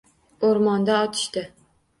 O’rmonda otishdi